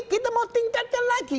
kita mau tingkatkan lagi